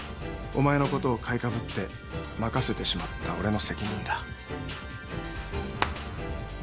お前のことを買いかぶって任せてしまった俺の責任だ。